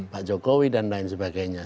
pak jokowi dan lain sebagainya